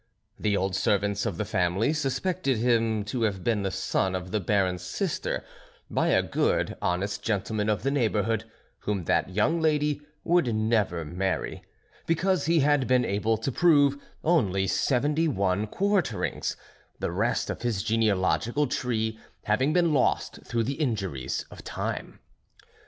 The old servants of the family suspected him to have been the son of the Baron's sister, by a good, honest gentleman of the neighborhood, whom that young lady would never marry because he had been able to prove only seventy one quarterings, the rest of his genealogical tree having been lost through the injuries of time.